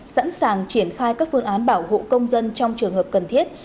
sẵn sàng triển khai các phương án bảo hộ công dân trong trường hợp cần thiết